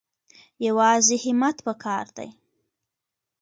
یوازې همت پکار دی